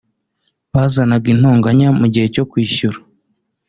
bazanaga intonganya mu gihe cyo kwishyura